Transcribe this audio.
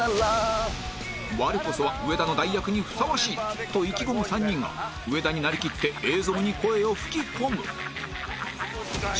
我こそは上田の代役にふさわしいと意気込む３人が上田になりきって映像に声を吹き込む